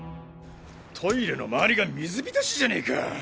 トイレの周りが水浸しじゃねえか。